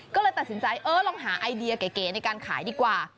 ก็เลยตัดสินใจเออลองหาไอเดียเก๋ในการขายดีกว่า